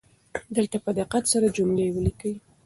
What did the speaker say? دلته په دقت سره جملې ولیکئ.